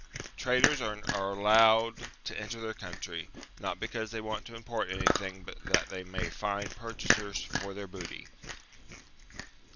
Traders are allowed to enter their country, not because they want to import anything but that they may find purchasers for their booty.